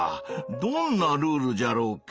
どんなルールじゃろうか？